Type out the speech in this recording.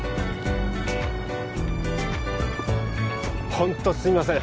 ホントすみません